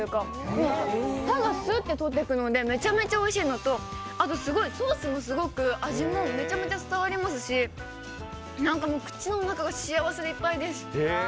歯がすっととけていくので、めちゃくちゃおいしいのと、あとコースも味も、めちゃめちゃ伝わりますし口の中が幸せでいっぱいです。